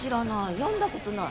読んだことない。